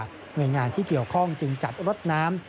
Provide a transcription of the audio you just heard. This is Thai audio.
หน่วยงานที่เกี่ยวข้องจึงจัดรถน้ำ